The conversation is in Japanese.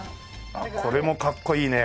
あっこれもかっこいいね。